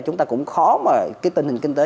chúng ta cũng khó mà cái tình hình kinh tế